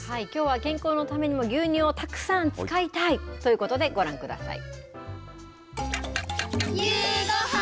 健康のために牛乳をたくさん使いたいということで、ご覧ください。